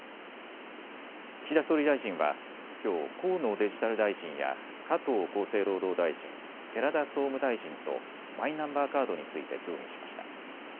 岸田総理大臣はきょう、河野デジタル大臣や加藤厚生労働大臣、寺田総務大臣とマイナンバーカードについて協議しました。